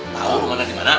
tahu kemana di mana